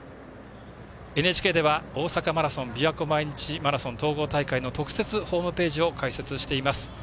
ＮＨＫでは、大阪マラソンびわ湖毎日マラソンの統合大会特設ホームページを開設しています。